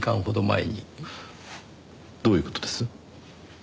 どういう事です？